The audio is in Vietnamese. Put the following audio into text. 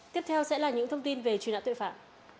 tiếp theo sẽ là những thông tin về truy nã tội phạm